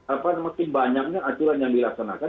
apa makin banyaknya aturan yang dilaksanakan